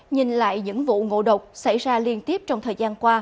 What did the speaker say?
nhìn lại những vụ ngộ độc xảy ra liên tiếp trong thời gian qua